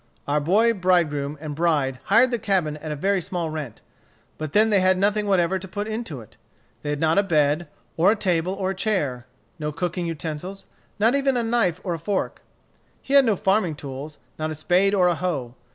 Our boy bridegroom and bride hired the cabin at a very small rent. But then they had nothing whatever to put into it. They had not a bed, or a table or a chair; no cooking utensils; not even a knife or a fork. He had no farming tools; not a spade or a hoe.